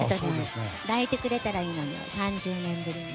「抱いてくれたらいいのに」を３０年ぶりに。